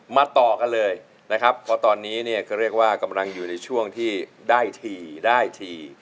ต่อกันเลยนะครับเพราะตอนนี้เนี่ยก็เรียกว่ากำลังอยู่ในช่วงที่ได้ทีได้ที